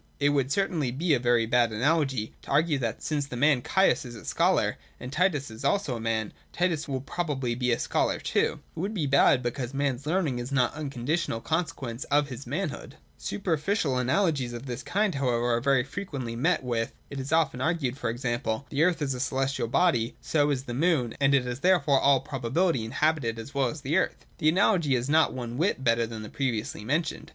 It would certainly be a very bad analogy to argue that since the man Caius is a scholar, and Titus also is a man, Titus will probably be a scholar too : and it would be bad because a man's learning is not an unconditional consequence of his manhood. Super ficial analogies of this kind however are very frequently met with. It is often argued, for example : The earth is a celestial body, so is the moon, and it is therefore in all probability inhabited as well as the earth. The analogy is not one whit better than that previously mentioned.